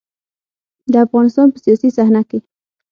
د افغانستان په سياسي صحنه کې.